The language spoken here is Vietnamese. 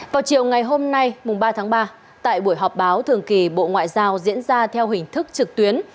vào chiều ngày hôm nay mùng ba tháng ba tại buổi họp báo thường kỳ bộ ngoại giao diễn ra theo hình thức trực tuyến